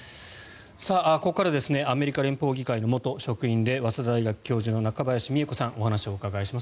ここからアメリカ連邦議会の元職員で早稲田大学教授の中林美恵子さんお話をお伺いします。